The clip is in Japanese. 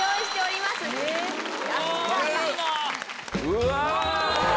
うわ！